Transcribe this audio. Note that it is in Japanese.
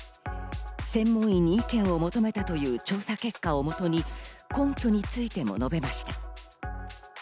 専門医に意見を求めたという調査結果をもとに根拠についても述べました。